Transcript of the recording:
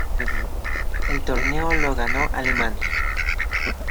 El torneo lo ganó Alemania.